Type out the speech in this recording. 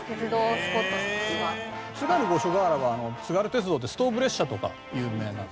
津軽五所川原は津軽鉄道ってストーブ列車とか有名な。